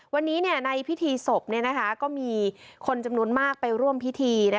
วันนี้ในพิธีศพก็มีคนจำนวนมากไปร่วมพิธี